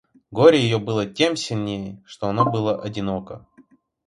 Горе ее было тем сильнее, что оно было одиноко.